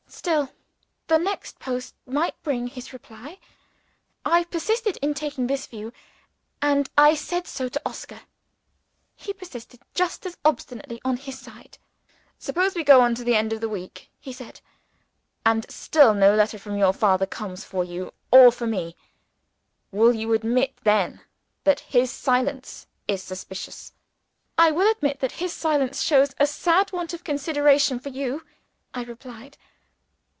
Still, the next post might bring his reply. I persisted in taking this view; and I said so to Oscar. He persisted just as obstinately on his side. "Suppose we go on to the end of the week," he said; "and still no letter from your father comes, for you, or for me? Will you admit, then, that his silence is suspicious?" "I will admit that his silence shows a sad want of proper consideration for you," I replied.